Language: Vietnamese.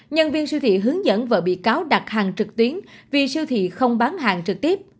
nhân viên siêu thị hướng dẫn vợ bị cáo đặt hàng trực tuyến vì siêu thị không bán hàng trực tiếp